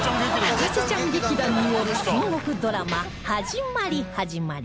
博士ちゃん劇団による戦国ドラマ始まり始まり